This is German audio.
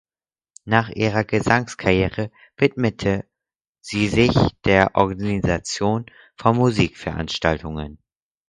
Nach ihrer Gesangskarriere widmete sie sich der Organisation von Musikveranstaltungen.